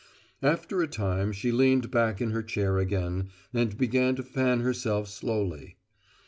After a time she leaned back in her chair again, and began to fan herself slowly.